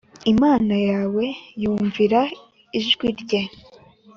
Imana yawe wumvira ijwi rye